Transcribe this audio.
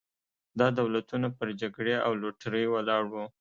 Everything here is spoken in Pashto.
دا دولتونه پر جګړې او لوټرۍ ولاړ وو.